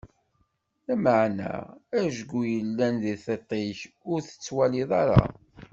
Lameɛna ajgu yellan di tiṭ-ik, ur t-tettwaliḍ ara!